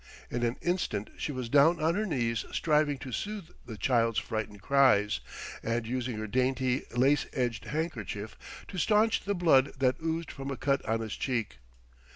In an instant she was down on her knees striving to soothe the child's frightened cries, and using her dainty lace edged handkerchief to staunch the blood that oozed from a cut on his cheek.